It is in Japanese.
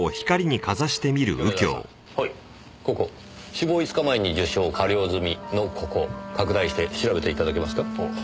「死亡５日前に受傷加療済み」のここ拡大して調べて頂けますか？